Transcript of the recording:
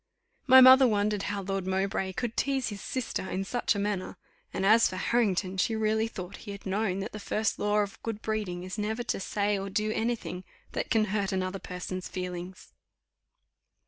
My mother wondered how Lord Mowbray could tease his sister in such a manner; and as for Harrington, she really thought he had known that the first law of good breeding is never to say or do any thing that can hurt another person's feelings.